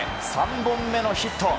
３本目のヒット。